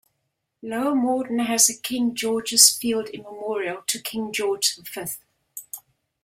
Lower Morden has a King George's Field in memorial to King George the Fifth.